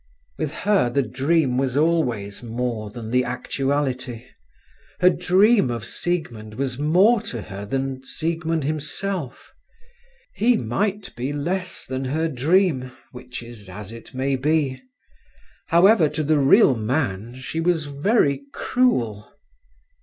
With her the dream was always more than the actuality. Her dream of Siegmund was more to her than Siegmund himself. He might be less than her dream, which is as it may be. However, to the real man she was very cruel.